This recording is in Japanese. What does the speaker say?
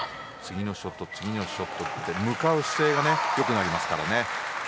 次のショットと向かう姿勢が良くなりますからね。